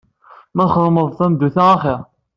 Ma txedmeḍ tameddut-a axir.